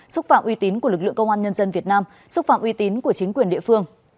xúc phạm uy tín của lực lượng công an nhân dân việt nam xúc phạm uy tín của chính quyền địa phương